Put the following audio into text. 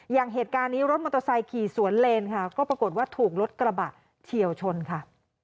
อย่างเหตุการณ์นี้รถมอเตอร์ไซค์ขี่สวนเลนค่ะก็ปรากฏว่าถูกรถกระบะเฉียวชนค่ะ